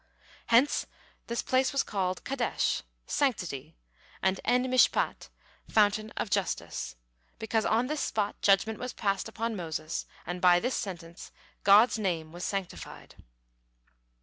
Hence this place was called Kadesh, "sanctity," and En Mishpat, "fountain of justice," because on this spot judgement was passed upon Moses, and by this sentence God's name was sanctified.